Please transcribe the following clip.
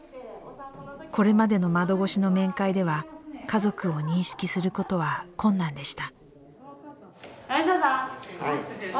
これまでの窓越しの面会では家族を認識することは困難でした。